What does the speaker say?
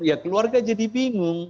ya keluarga jadi bingung